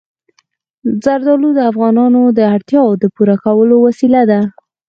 زردالو د افغانانو د اړتیاوو د پوره کولو وسیله ده.